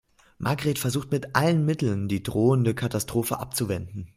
Margret versucht mit allen Mitteln, die drohende Katastrophe abzuwenden.